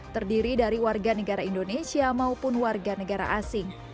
terdiri dari warga negara indonesia maupun warga negara asing